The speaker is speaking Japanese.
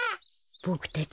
ボクたち